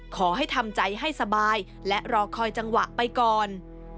ขอให้ทำใจให้สบายและรอคอยจังหวะไปก่อน